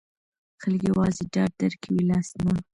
خلګ یوازې ډاډ درکوي، لاس نه.